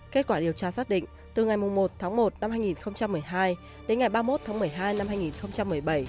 kết quả điều tra xác định từ ngày một tháng một năm hai nghìn một mươi hai đến ngày ba mươi một tháng một mươi hai năm hai nghìn một mươi bảy